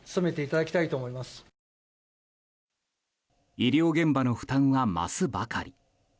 医療現場の負担は増すばかり。